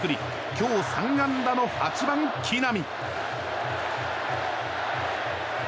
今日３安打の８番、木浪。